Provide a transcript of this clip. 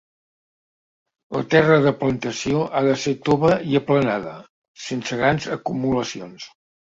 La terra de plantació ha de ser tova i aplanada, sense grans acumulacions.